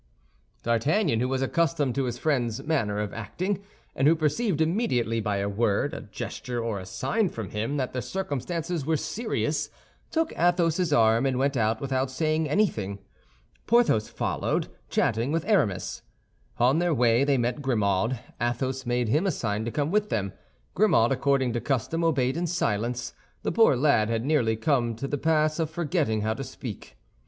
D'Artagnan, who was accustomed to his friend's manner of acting, and who perceived immediately, by a word, a gesture, or a sign from him, that the circumstances were serious, took Athos's arm, and went out without saying anything. Porthos followed, chatting with Aramis. On their way they met Grimaud. Athos made him a sign to come with them. Grimaud, according to custom, obeyed in silence; the poor lad had nearly come to the pass of forgetting how to speak.